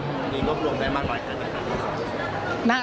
นี่ก็รวมได้มากกว่าเกิดจากครั้งนี้ค่ะ